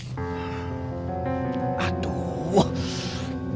beginilah prinsip kita shirt fire